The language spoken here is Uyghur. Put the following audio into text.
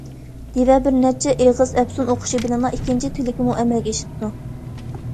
دىۋە بىر نەچچە ئېغىز ئەپسۇن ئوقۇشى بىلەنلا ئىككىنچى تىلىكىمۇ ئەمەلگە ئېشىپتۇ.